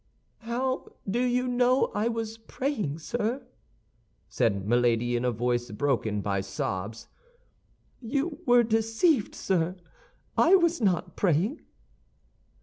"How do you know I was praying, sir?" said Milady, in a voice broken by sobs. "You were deceived, sir; I was not praying."